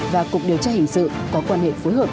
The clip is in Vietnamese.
và cục điều tra hình sự có quan hệ phối hợp